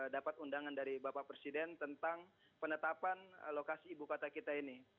dapat undangan dari bapak presiden tentang penetapan lokasi ibu kota kita ini